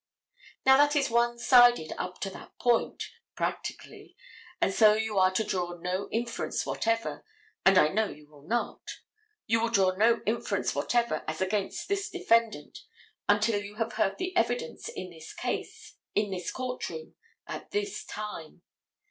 Now, that is one sided up to that point, practically, and so you are to draw no inference whatever, and I know you will not; you will draw no inference whatever as against this defendant until you have heard the evidence in this case, in this court room, at this time.